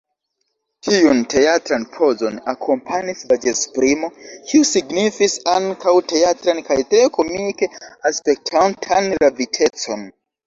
Tiun teatran pozon akompanis vizaĝesprimo, kiu signifis ankaŭ teatran kaj tre komike aspektantan ravitecon.